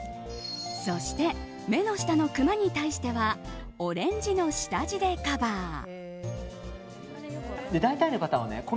そして目の下のクマに対してはオレンジの下地でカバー。